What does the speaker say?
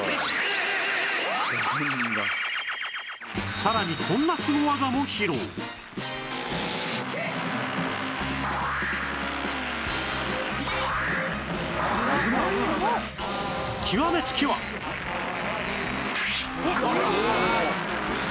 さらにこんなスゴ技も披露イーッ！